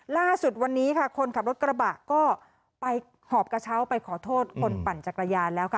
ล่าสุดวันนี้ค่ะคนขับรถกระบะก็ไปหอบกระเช้าไปขอโทษคนปั่นจักรยานแล้วค่ะ